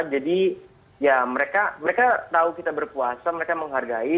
jadi ya mereka tau kita berpuasa mereka menghargai